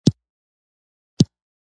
• د غاښونو پاملرنه یو ښه عادت دی.